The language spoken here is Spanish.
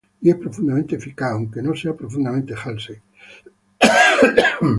Y es profundamente eficaz, aunque no sea profundamente Halsey.